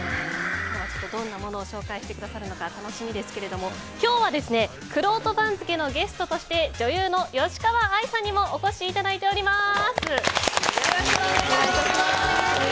どんなものを紹介してくださるのか楽しみですけれども、今日はくろうと番付のゲストとして女優の吉川愛さんにもお越しいただいております。